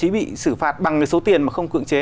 bị xử phạt bằng số tiền mà không cưỡng chế